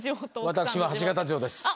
私も鉢形城です。